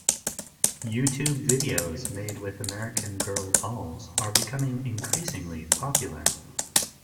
YouTube videos made with American Girl Dolls are becoming increasingly popular.